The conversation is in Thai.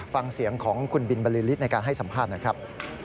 ฟังเสียงของคุณบินบริษฐ์ในการให้สัมภาษณ์หน่อยครับ